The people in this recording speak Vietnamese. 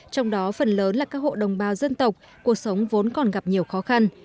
trong đó phần lớn là các hộ đồng bào dân tộc cuộc sống vốn còn gặp nhiều khó khăn